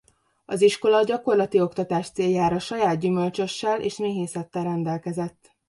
Az iskola a gyakorlati oktatás céljára saját gyümölcsössel és méhészettel rendelkezett.